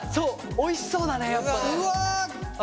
おいしそうだねやっぱね。